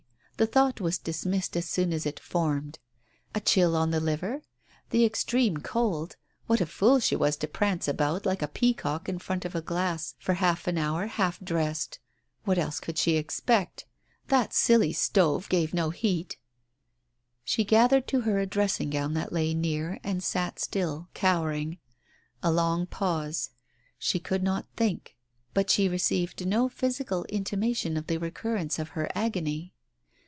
The thought was dismissed as soon as formed. A chill on the liver? The extreme cold. ... What a fool she was to prance about like a peacock in front of a glass for half an hour half dressed t What else could she expect? That silly stove gave no heat. .•• She gathered to her a dressing gown that lay near and sat still, cowering. A long pause ! She could not think. But she received no physical intimation of the recurrence of her agony.